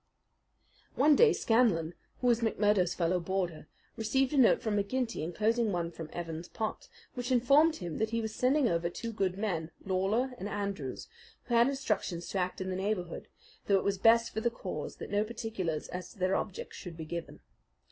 One day Scanlan, who was McMurdo's fellow boarder, received a note from McGinty inclosing one from Evans Pott, which informed him that he was sending over two good men, Lawler and Andrews, who had instructions to act in the neighbourhood; though it was best for the cause that no particulars as to their objects should be given.